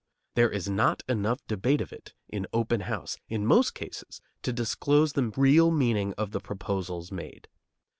There is not enough debate of it in open house, in most cases, to disclose the real meaning of the proposals made.